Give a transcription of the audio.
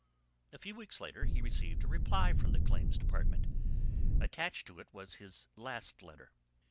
A few weeks later he received a reply from the Claims Department. Attached to it was his last letter.